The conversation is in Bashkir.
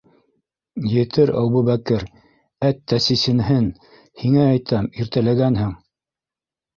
Етер, Әбүбәкер, әттә сисенһен! һиңә әйтәм, иртәләгәнһең?